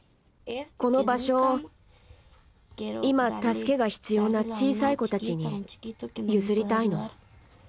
この場所をいま助けが必要な小さい子たちに譲りたいの。